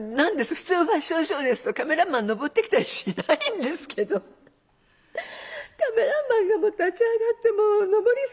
普通ファッションショーですとカメラマンのぼってきたりしないんですけどカメラマンがもう立ち上がってもうのぼりそうな雰囲気でね。